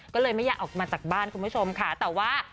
ก็เลยไม่อยากออกมาจากบ้านคุณผู้ชมค่ะแต่ว่า